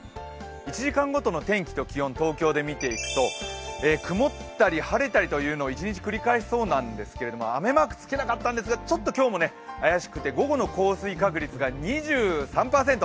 １時間ごとの天気と気温東京で見ていくと曇ったり晴れたりというのを一日繰り返しそうなんですけど、雨マークつけなかったんですがちょっと今日も怪しくて、午後の降水確率が２３％。